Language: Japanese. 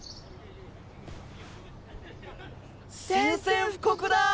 宣戦布告だ！